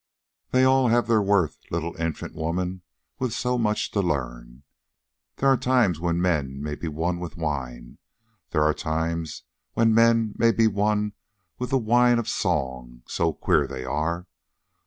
"They all have their worth, little infant woman with so much to learn. There are times when men may be won with wine. There are times when men may be won with the wine of song, so queer they are.